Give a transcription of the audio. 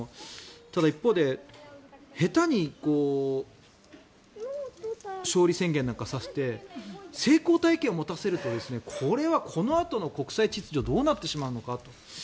ただ一方で下手に勝利宣言なんかさせて成功体験を持たせるとこれはこのあとの国際秩序どうなってしまうのかと。